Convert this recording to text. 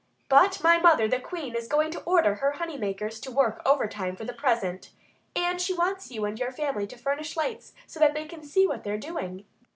"But my mother, the Queen, is going to order her honey makers to work overtime for the present. And she wants you and your family to furnish lights so they can see what they're doing."